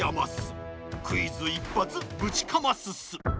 クイズいっぱつぶちかますっす！